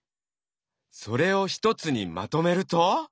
それを一つにまとめると？